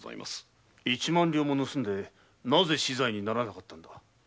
一万両も盗んでなぜ死罪にならなかったのだ？